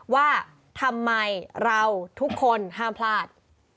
ว่าทำไมเราทุกคนห้ามพลาด